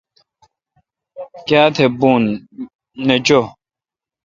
کیا تہ۔ بھی نہ چھورون۔